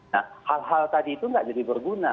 nah hal hal tadi itu nggak jadi berguna